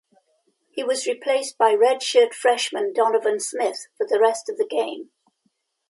He was replaced by redshirt freshman Donovan Smith for the rest of the game.